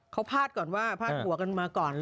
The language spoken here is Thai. เขาพาดก่อนว่าพาดหัวกันมาก่อน